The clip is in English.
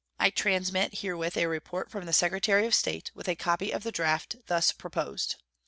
I transmit herewith a report from the Secretary of State, with a copy of the draft thus proposed.